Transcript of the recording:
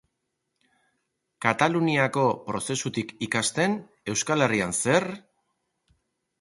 Kataluniako prozesutik ikasten, Euskal Herrian zer?